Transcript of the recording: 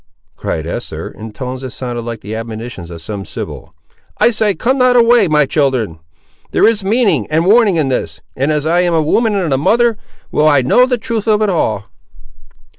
cried Esther, in tones that sounded like the admonitions of some sibyl. "I say, come not away, my children. There is a meaning and a warning in this; and as I am a woman and a mother, will I know the truth of it all!"